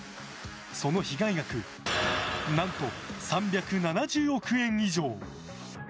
その被害額、何と３７０億円以上。